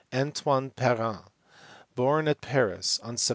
Antoine Parent, born at Paris on Sept.